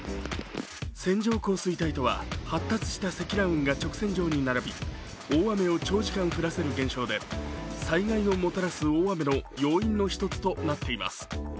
線状降水帯とは発達した積乱雲が直線状に並び大雨を長時間降らせる現象で災害をもたらす大雨の要因の一つとなっています。